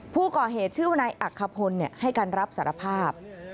ผู้ก่อเหตุชื่อวนายอักขพลให้การรับสารภาพ